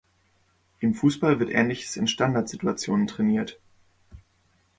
Im Fußball wird Ähnliches in "Standardsituationen" trainiert.